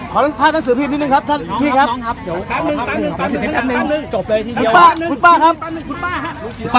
ขอช่วยคุณพี่อีกท่านหนึ่งครับ